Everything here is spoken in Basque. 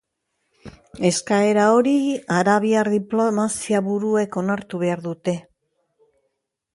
Eskaera hori arabiar diplomaziaburuek onartubehar dute.